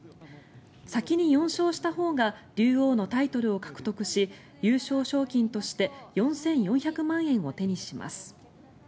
先に４勝したほうが竜王のタイトルを獲得し優勝賞金として４４００万円を手にします。